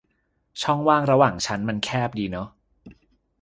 ช่องว่างระหว่างชั้นมันแคบดีเนอะ